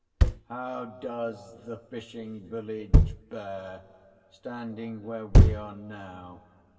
"How does the fishing village bear, standing where we are now?"